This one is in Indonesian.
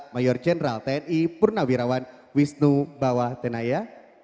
mayor jenderal tni purnawirawan wisnu bawah tenaya